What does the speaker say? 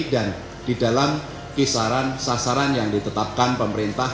dan di dalam sasaran yang ditetapkan pemerintah